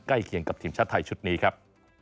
เคียงกับทีมชาติไทยชุดนี้ครับ